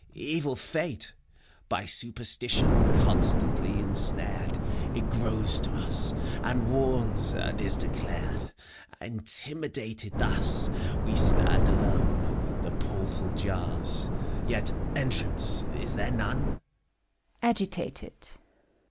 Evil fate ! By Superstition constantly insnared, It grows to us, and warns, and is declared. Intimidated thus, we stand alone. — The portal jars, yet entrance is there none. (Agitated.)